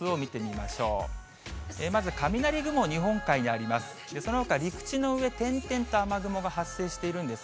まず、雷雲、日本海にあります。